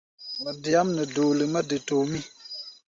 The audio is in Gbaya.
Wa deáʼm nɛ doole mɛ de tomʼí.